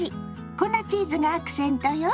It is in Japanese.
粉チーズがアクセントよ。